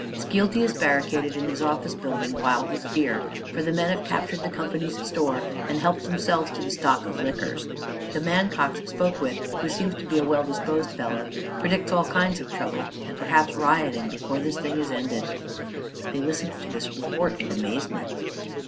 Skeelty is barricaded in his office building, wild with fear, for the men have captured the company's store and helped themselves to the stock of liquors. The man Cox spoke with, who seems to be a well disposed fellow, predicts all kinds of trouble, and perhaps rioting, before this thing is ended." They listened to this report in amazement.